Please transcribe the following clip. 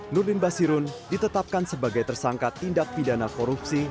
nurdin basirun ditetapkan sebagai tersangka tindak pidana korupsi